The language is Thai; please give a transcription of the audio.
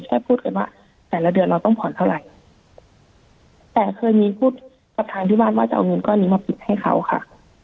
พูดกันว่าแต่ละเดือนเราต้องผ่อนเท่าไหร่แต่เคยมีพูดประธานที่บ้านว่าจะเอาเงินก้อนนี้มาปิดให้เขาค่ะ